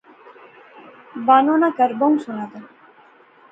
بانو نا کہر بہوں سوہنا زا